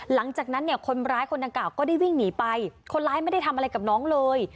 หลังจากนั้นเนี่ยคนร้ายคนดังกล่าก็ได้วิ่งหนีไปคนร้ายไม่ได้ทำอะไรกับน้องเลย